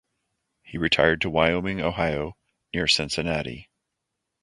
He retired to Wyoming, Ohio, near Cincinnati.